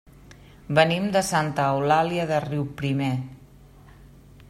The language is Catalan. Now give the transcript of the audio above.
Venim de Santa Eulàlia de Riuprimer.